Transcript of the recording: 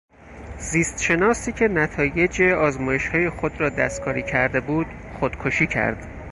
زیست شناسی که نتایج آزمایشهای خود را دستکاری کرده بود خودکشی کرد.